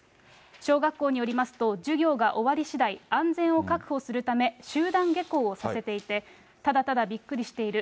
小学校によりますと、授業が終わりしだい、安全を確保するため、集団下校をさせていて、ただただびっくりしている。